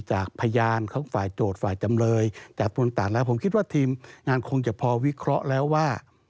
จากพยานของฝ่ายโจทย์ฝ่ายจำเลยแต่ผลตัดแล้วผมคิดว่าทีมงานคงจะพอวิเคราะห์แล้วว่า